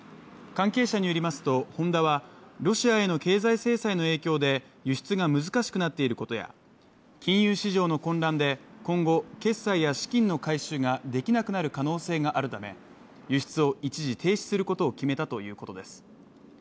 関係者によりますと、ホンダはロシアへの経済制裁の影響で輸出が難しくなっていることや金融市場の混乱で今後、決済や資金の回収ができなくなる可能性があるため輸出を一時停止することを決めたということです。